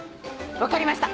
分かりました